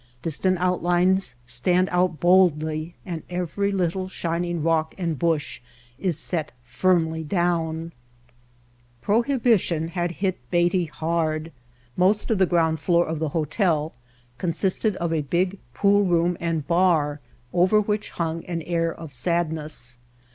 Dis tant outlines stand out boldly, and every little shining rock and bush is set firmly down. [8i] White Heart of Mojave Prohibition had hit Beatty hard. Most of the ground floor of the hotel consisted of a big poolroom and bar over which hung an air of sadness.